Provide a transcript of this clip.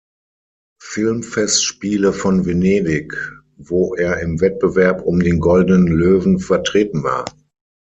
Filmfestspiele von Venedig, wo er im Wettbewerb um den Goldenen Löwen vertreten war.